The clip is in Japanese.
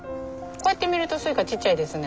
こうやって見るとスイカちっちゃいですね。